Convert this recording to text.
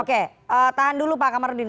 oke tahan dulu pak kamarudin